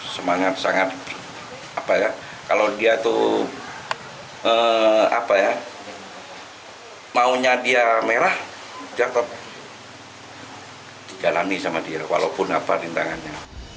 semangat sangat apa ya kalau dia itu maunya dia merah dia tetap dijalani sama dia walaupun apa rintangannya